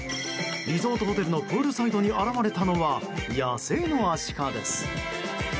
リゾートホテルのプールサイドに現れたのは野生のアシカです。